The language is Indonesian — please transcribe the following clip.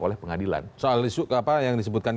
oleh pengadilan soal yang disebutkan